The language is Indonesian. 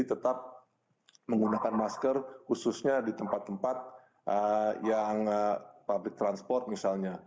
tetap menggunakan masker khususnya di tempat tempat yang public transport misalnya